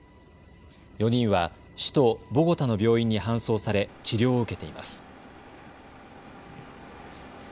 ４人は首都ボゴタの病院に搬送され治療を受けています。